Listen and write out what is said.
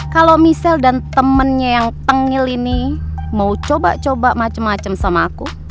kalau michelle dan temennya yang panggil ini mau coba coba macem macem sama aku